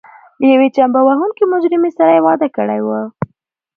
له یوې چمبه وهونکې مجرمې سره یې واده کړی و.